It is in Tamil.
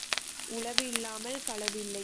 உளவு இல்லாமல் களவு இல்லை.